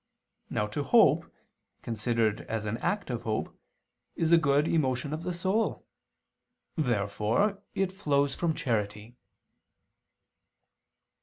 Now to hope, considered as an act of hope, is a good emotion of the soul. Therefore it flows from charity.